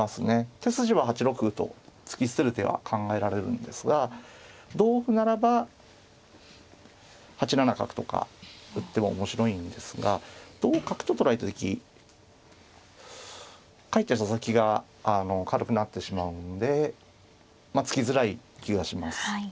手筋は８六歩と突き捨てる手は考えられるんですが同歩ならば８七角とか打っても面白いんですが同角と取られた時かえって飛車先が軽くなってしまうんで突きづらい気がします。